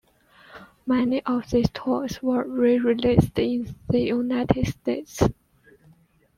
Many of these toys were re-released in the United States.